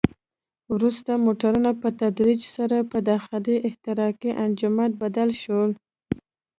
وروسته موټرونه په تدریج سره په داخلي احتراقي انجن بدل شول.